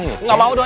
enggak mau doya